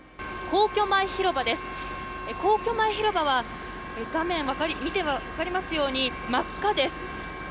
皇居前広場は、画面を見て分かりますように真っ赤です。